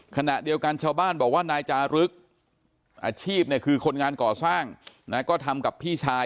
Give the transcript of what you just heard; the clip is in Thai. ขณะเดียวกันชาวบ้านบอกว่านายจารึกอาชีพเนี่ยคือคนงานก่อสร้างนะก็ทำกับพี่ชาย